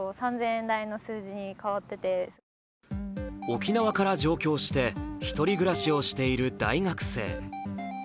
沖縄から上京して１人暮らしをしている大学生。